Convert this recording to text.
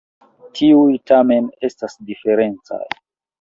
Tiuj tamen estas diferencaj.